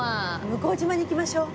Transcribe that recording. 向島に行きましょう。